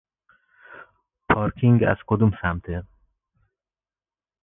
پارکینگ از کدوم سمته؟